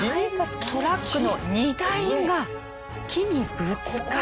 トラックの荷台が木にぶつかって。